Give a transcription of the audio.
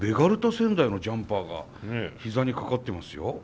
仙台のジャンパーが膝にかかってますよ。